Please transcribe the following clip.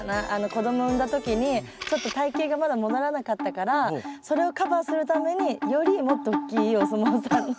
子供産んだ時にちょっと体形がまだ戻らなかったからそれをカバーするためによりもっとおっきいお相撲さんの。